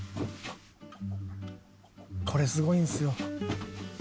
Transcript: これすごいんですよ。